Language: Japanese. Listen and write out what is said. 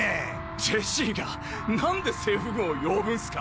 ジェシーが何で政府軍を呼ぶんすか